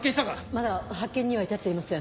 まだ発見には至っていません